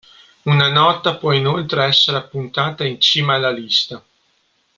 Una nota può, inoltre, essere appuntata in cima alla lista.